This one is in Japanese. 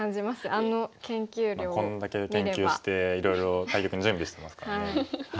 こんだけ研究していろいろ対局の準備してますからね。